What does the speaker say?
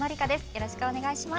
よろしくお願いします。